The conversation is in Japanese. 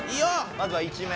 まずは１面。